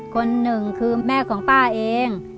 คนหนึ่งคือแม่ของป้าเอง